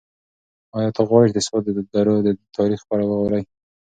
ایا ته غواړې چې د سوات د درو د تاریخ په اړه واورې؟